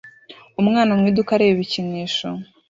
umwana mu iduka areba ibikinisho